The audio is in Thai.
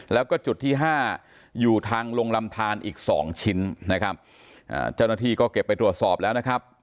แล้วก็จุดที่ห้าอยู่ทางลงลำทานอีกสองชิ้นนะครับเจ้าหน้าที่ก็เก็บไปตรวจสอบแล้วนะครับ